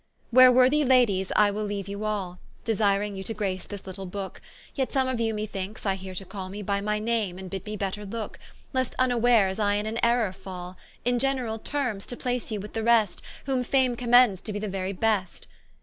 Where worthy Ladies I will leaue you all, Desiring you to grace this little Booke; Yet some of you me thinkes I heare to call Me by my name, and bid me better looke, Lest vnawares I in an error fall: In generall tearmes, to place you with the rest, Whom Fame commends to be the very best.